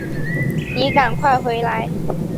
妳赶快回来